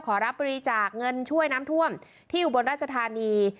รับบริจาคเงินช่วยน้ำท่วมที่อุบลราชธานี